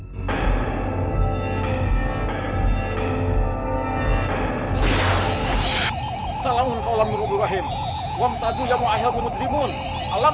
bisa segera lori saya untuk kaburkan